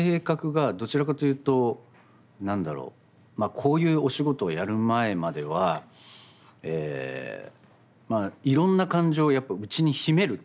こういうお仕事をやる前まではいろんな感情を内に秘めるタイプ。